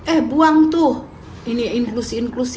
eh buang tuh ini inklusi inklusi